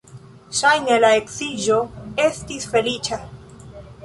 Ŝajne la edziĝo estis feliĉa.